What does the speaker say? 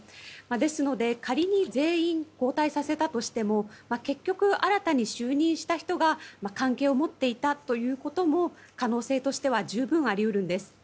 ですので、仮に全員交代させたとしても結局、新たに就任した人が関係を持っていたということも可能性としては十分あり得るんです。